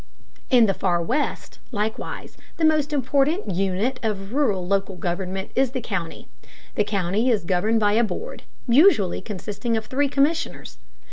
In the Far West, likewise, the most important unit of rural local government is the county. The county is governed by a board, usually consisting of three commissioners.